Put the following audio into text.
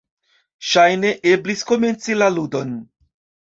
Ŝajne, eblis komenci la ludon.